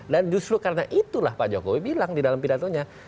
dan justru karena itulah pak jokowi bilang di dalam pidatonya